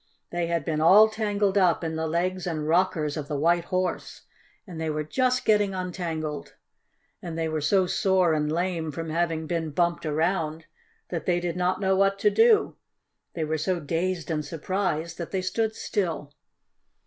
They had been all tangled up in the legs and rockers of the White Horse, and they were just getting untangled. And they were so sore and lame from having been bumped around that they did not know what to do. They were so dazed and surprised that they stood still.